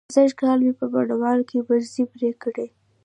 سږکال مې په بڼوال کې برځې پرې کړې.